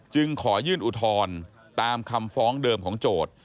ขอยื่นอุทธรณ์ตามคำฟ้องเดิมของโจทย์